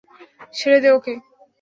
ছেড়ে দে ওকে।